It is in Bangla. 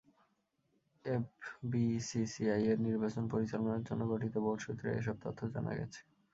এফবিসিসিআইয়ের নির্বাচন পরিচালনার জন্য গঠিত বোর্ড সূত্রে এসব তথ্য জানা গেছে।